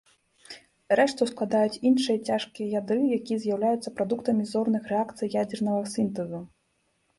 Рэшту складаюць іншыя цяжкія ядры, якія з'яўляюцца прадуктамі зорных рэакцый ядзернага сінтэзу.